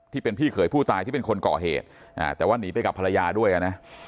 ที่เป็นพี่เขยผู้ตายที่เป็นคนก่อเหตุแต่ว่าหนีไปกับภรรยาด้วยนะ